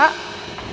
bersama pak rendy